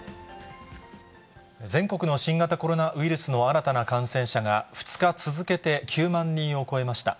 全国の新型コロナウイルスの新たな感染者が、２日続けて９万人を超えました。